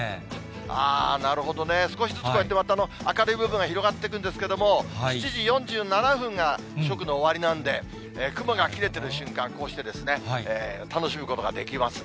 あー、なるほどね、少しずつ、こうやってまた、明るい部分が広がっていくんですけれども、７時４７分が食の終わりなんで、雲が切れてる瞬間、こうして楽しむことができますので。